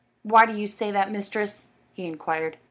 "Why do you say that, mistress?" he inquired.